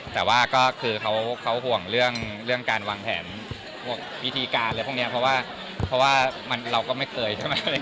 แต่ก็คือเขาห่วงเรื่องการวางแผนบุคธิกาเพราะว่าเราก็ไม่เคย